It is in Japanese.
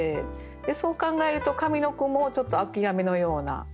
そう考えると上の句もちょっと諦めのような感じ？